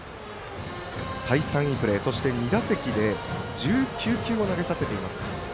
再三、いいプレーそして２打席で１９球を投げさせています。